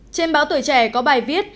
trên báo tuổi trẻ có bài viết